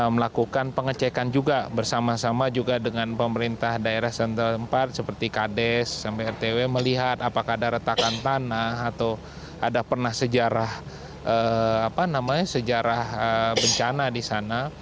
melakukan pengecekan juga bersama sama juga dengan pemerintah daerah setempat seperti kades sampai rtw melihat apakah ada retakan tanah atau ada pernah sejarah bencana di sana